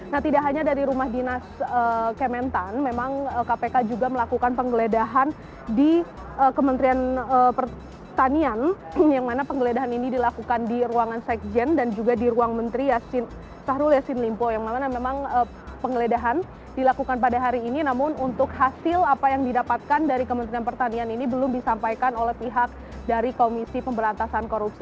nah tidak hanya dari rumah dinas kementan memang kpk juga melakukan penggeledahan di kementerian pertanian yang mana penggeledahan ini dilakukan di ruangan sekjen dan juga di ruang menteri syahrul yassin limpo